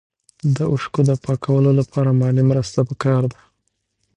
د اوښکو د پاکولو لپاره مالي مرسته پکار ده.